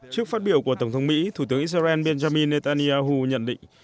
trước phát biểu của tổng thống mỹ thủ tướng israel benjamin netanyahu nhận định